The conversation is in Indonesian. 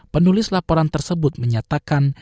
penulis laporan tersebut menyatakan